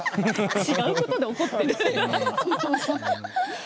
違うことで怒っている。